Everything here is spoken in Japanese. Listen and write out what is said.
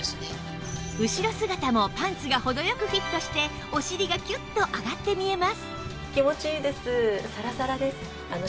後ろ姿もパンツが程良くフィットしてお尻がキュッと上がって見えます